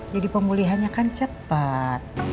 jadi pemulihannya kan cepet